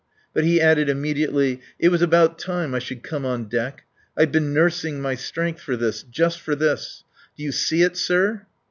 But he added immediately: "It was about time I should come on deck. I've been nursing my strength for this just for this. Do you see it, sir?"